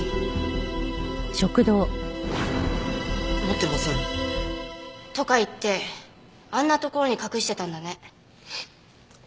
「ＹＵＺＵＫＩ」持ってません。とか言ってあんな所に隠してたんだね。